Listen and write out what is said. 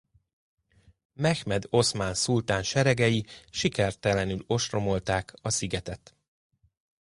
Mehmed oszmán szultán seregei sikertelenül ostromolták a szigetet.